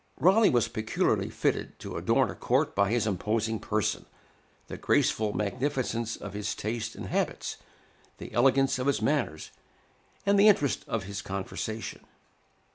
Raleigh was peculiarly fitted to adorn a court by his imposing person, the graceful magnificence of his taste and habits, the elegance of his manners, and the interest of his conversation.